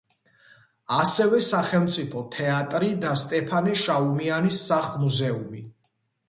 ასევე სახელმწიფო თეატრი და სტეფანე შაუმიანის სახლ-მუზეუმი.